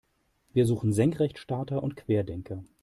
Wir suchen Senkrechtstarter und Querdenker.